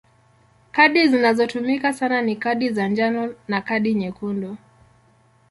Kadi zinazotumika sana ni kadi ya njano na kadi nyekundu.